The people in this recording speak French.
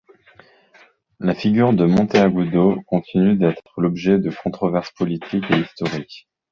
La figure de Monteagudo continue d’être l’objet de controverses politiques et historiques.